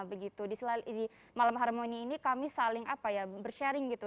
begitu di malam harmoni ini kami saling apa ya bersharing gitu